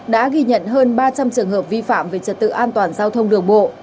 đã ghi nhận hơn ba trăm linh trường hợp vi phạm về trật tự an toàn giao thông đường bộ